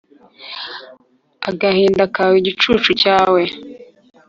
agahinda kawe, igicucu cyawe,